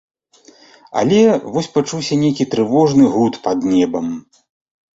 Але вось пачуўся нейкі трывожны гуд пад небам.